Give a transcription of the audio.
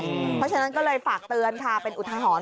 เพราะฉะนั้นก็เลยฝากเตือนค่ะเป็นอุทาหรณ์